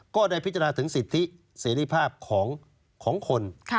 ก็ได้พิจารณาถึงสิทธิเสรีภาพของคน